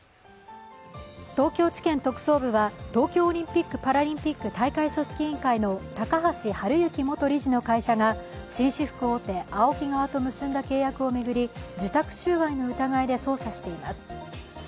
東京地検特捜部は、東京オリンピック・パラリンピック大会組織委員会の高橋治之元理事の会社が紳士服大手ＡＯＫＩ側と結んだ契約を巡り、受託収賄の疑いで捜査しています。